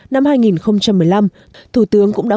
năm hai nghìn một mươi năm thủ tướng cũng đã